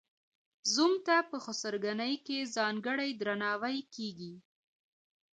زوم ته په خسرګنۍ کې ځانګړی درناوی کیږي.